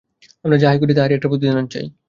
আমরা যাহাই করি, তাহারই একটা প্রতিদান চাই।